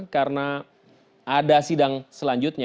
karena ada sidang selanjutnya